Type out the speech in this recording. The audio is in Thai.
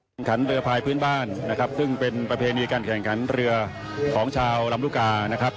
ขันเรือพายพื้นบ้านนะครับซึ่งเป็นประเพณีการแข่งขันเรือของชาวลำลูกกานะครับ